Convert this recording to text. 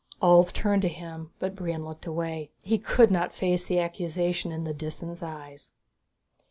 Ulv turned to him, but Brion looked away. He could not face the accusation in the Disan's eyes.